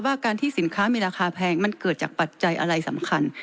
การที่สินค้ามีราคาแพงมันเกิดจากปัจจัยอะไรสำคัญ